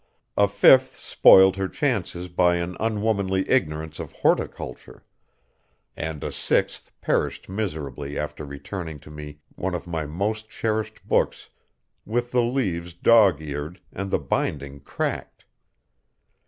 A fifth spoiled her chances by an unwomanly ignorance of horticulture, and a sixth perished miserably after returning to me one of my most cherished books with the leaves dog eared and the binding cracked.